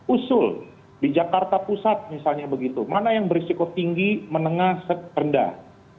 usul di jakarta pusat misalnya begitu mana yang berisiko tinggi menengah rendah